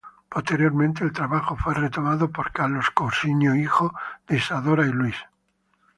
Posteriormente el trabajo fue retomado por Carlos Cousiño, hijo de Isidora y Luis.